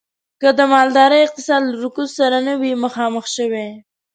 که د مالدارۍ اقتصاد له رکود سره نه وی مخامخ شوی.